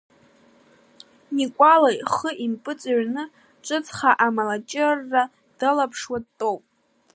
Никәала ихы импыҵыҩрын, ҿыцха амалаҷырра дылаԥшуа дтәоуп.